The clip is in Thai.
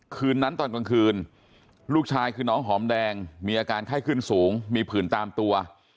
คืนนั้นตอนกลางคืนลูกชายคือน้องหอมแดงมีอาการไข้ขึ้นสูงมีผื่นตามตัว